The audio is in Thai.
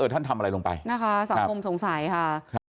ท่านทำอะไรลงไปนะคะสังคมสงสัยค่ะ